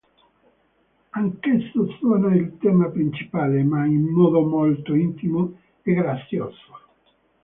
Anch'esso suona il tema principale, ma in modo molto intimo e grazioso.